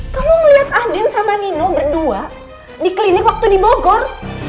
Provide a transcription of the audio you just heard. kamu ngeliat adin sama nino berdua di klinik waktu di bogor